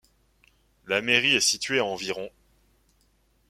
La mairie est située à environ.